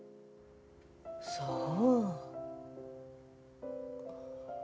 そう。